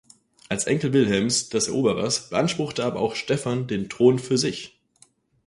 Als Enkel Wilhelms des Eroberers beanspruchte aber auch Stephan den Thron für sich.